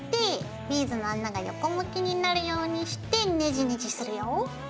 ビーズの穴が横向きになるようにしてネジネジするよ。